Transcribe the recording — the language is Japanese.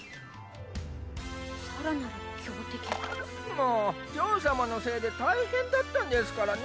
もうジョー様のせいで大変だったんですからね。